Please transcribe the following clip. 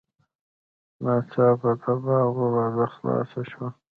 ناڅاپه د باغ دروازه خلاصه شوه.